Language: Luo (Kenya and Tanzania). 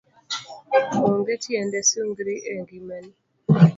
Ong'e tiende sungri e ng'imani